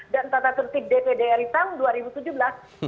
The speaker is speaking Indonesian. dan tata tertib dpd ri tahun dua ribu tujuh belas